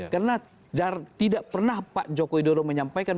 karena tidak pernah pak jokowi dodo menyampaikan